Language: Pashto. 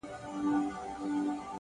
د خاموش کور فضا د ذهن خبرې لوړوي,